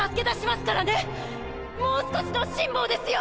もう少しの辛抱ですよ！